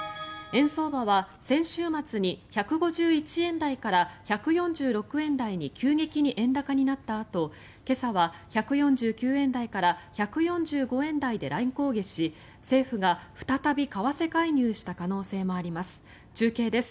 円相場は先週末に１５１円台から１４６円台に急激に円高になったあと今朝は１４９円台から１４５円台で乱高下し政府が再び為替介入した可能性もあります。